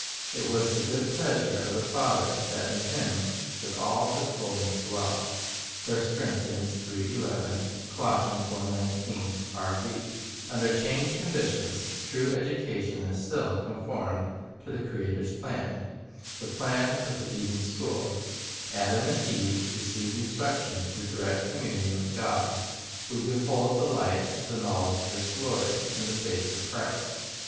"It was the good pleasure of the Father that in Him should all the fulness dwell." 1 Under changed conditions, true education is still conformed to the Creator's plan, the plan of the Eden school. Adam and Eve received instruction through direct communion with God; we behold "the light of the knowledge of His glory" in the face of Christ.